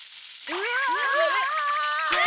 うわ！